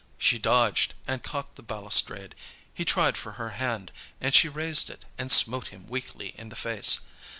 She dodged, and caught the balustrade. He tried for her hand, and she raised it and smote him weakly in the face.